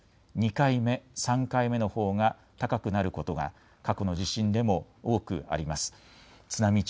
２回目、３回目のほうが高くなることが過去の地震でも多くあります。